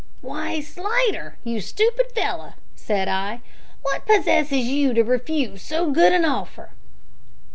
"Why, Slidder, you stupid fellow!" said I, "what possesses you to refuse so good an offer?"